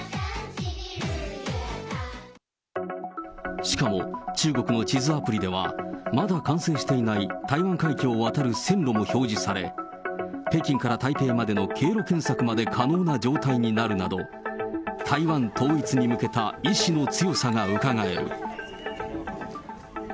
しかも中国の地図アプリでは、まだ完成していない台湾海峡を渡る線路も表示され、北京から台北までの経路検索まで可能な状態になるなど、台湾統一に向けた意志の強さがうかがえる。